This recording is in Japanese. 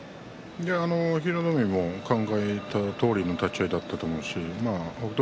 平戸海も考えたとおりの立ち合いだったと思うし北勝